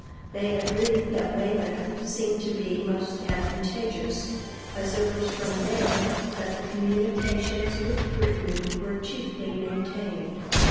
They agreed that Weymouth seemed to be most advantageous, as it was from there that the communications with Brittany were chiefly maintained.